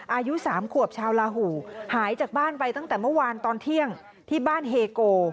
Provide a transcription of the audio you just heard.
อายุ๓ขวบชาวลาหูหายจากบ้านไปตั้งแต่เมื่อวานตอนเที่ยงที่บ้านเฮโก